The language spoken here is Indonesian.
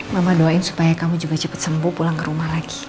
mama doain supaya kamu juga cepet sembuh pulang ke rumah lagi